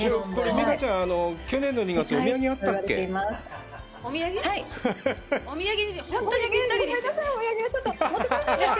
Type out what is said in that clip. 未花ちゃん、去年の２月、お土産あったっけ？